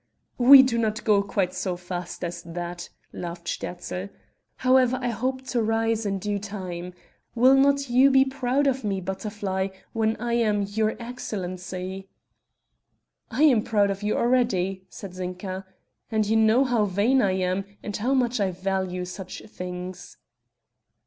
"We do not go quite so fast as that," laughed Sterzl. "However, I hope to rise in due time. Will not you be proud of me, Butterfly, when I am 'your excellency!'" "I am proud of you already," said Zinka, "and you know how vain I am, and how much I value such things!"